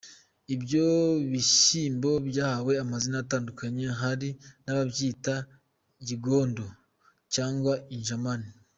Ibyo bishyimbo byahawe amazina atandukanye, hari n’ababyita “Kigondo” cyangwa “Injamane”.